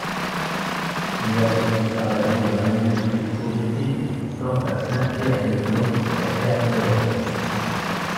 Il a depuis travaillé dans l'industrie touristique tant à Saint-Pierre et Miquelon qu'à Terre-Neuve.